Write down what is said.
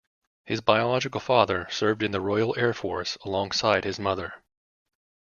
His biological father served in the Royal Air Force alongside his mother.